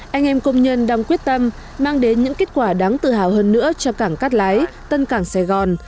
anh em công nhân đang quyết tâm mang đến những kết quả đáng tự hào hơn nữa cho cảng cát lái tân cảng sài gòn